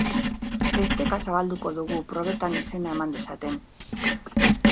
Esteka zabalduko dugu, probetan izena eman dezaten.